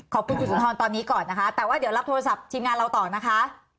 ขอบคุณคุณสุนทรตอนนี้ก่อนนะคะแต่ว่าเดี๋ยวรับโทรศัพท์ทีมงานเราต่อนะคะ